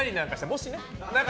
もしね。